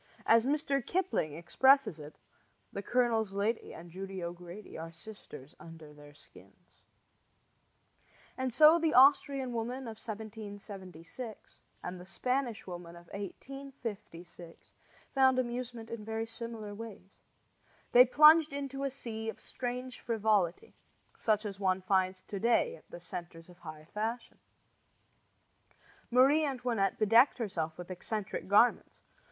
As Mr. Kipling expresses it The colonel's lady and Judy O'Grady Are sisters under their skins; and so the Austrian woman of 1776 and the Spanish woman of 1856 found amusement in very similar ways. They plunged into a sea of strange frivolity, such as one finds to day at the centers of high fashion. Marie Antoinette bedecked herself with eccentric garments.